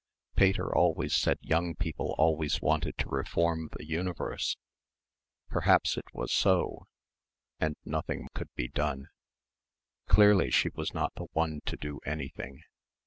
Pater always said young people always wanted to reform the universe ... perhaps it was so ... and nothing could be done. Clearly she was not the one to do anything.